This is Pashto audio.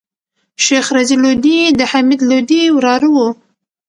شېخ رضي لودي دحمید لودي وراره وو.